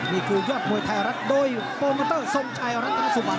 นี่คือยักมวยไทยอรัตโดยโปรโมเตอร์ทรงไชต์อรัตธรสุบัติ